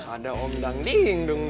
ada om branding neng